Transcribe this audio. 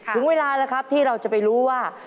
ถึงเวลาแล้วครับที่เราจะไปรู้ว่า